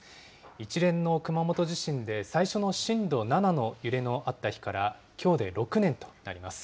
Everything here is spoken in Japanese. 一連の熊本地震で、最初の震度７の揺れのあった日からきょうで６年となります。